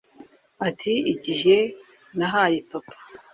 ati"igihe nahaye papa